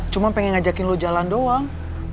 cuma pengen ngajakin lo jalan doang